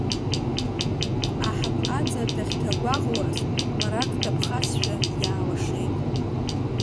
Аҳаԥ аҵа дахьҭагәаҟуаз, мрак ҭаԥхазшәа иаалашеит.